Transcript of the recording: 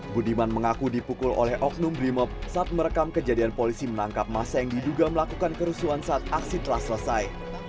budiman mengaku dipukul oleh oknum brimob saat merekam kejadian polisi menangkap masa yang diduga melakukan kerusuhan saat aksi telah selesai